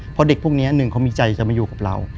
เพราะเด็กพวกนี้หนึ่งเขามีใจจะมาอยู่กับเรา